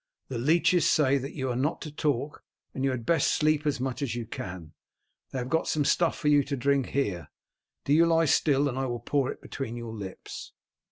The leeches say that you are not to talk, and you had best sleep as much as you can. They have got some stuff for you to drink here; do you lie still and I will pour it between your lips."